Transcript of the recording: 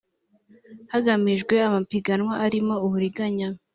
hagamijwe amapiganwa arimo uburiganya